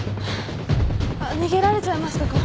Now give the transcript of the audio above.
逃げられちゃいましたか。